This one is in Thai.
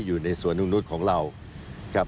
อยู่ในสวนนุษย์ของเรา